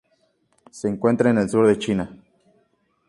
Se encuentra en el sur de China.